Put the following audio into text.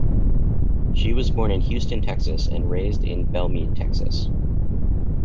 She was born in Houston, Texas, and raised in Bellmead, Texas.